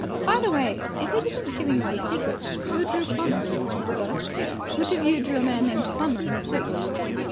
"By the way, if it isn't giving away secrets, who drew Plummer?" "Sir?" "Which of you drew a man named Plummer in the sweep?"